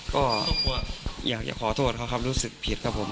ก็อยากจะขอโทษเขาครับรู้สึกผิดครับผม